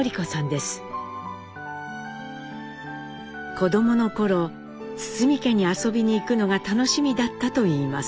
子どもの頃堤家に遊びに行くのが楽しみだったといいます。